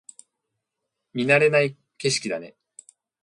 見慣れない景色だね